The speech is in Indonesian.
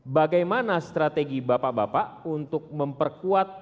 bagaimana strategi bapak bapak untuk memperkuat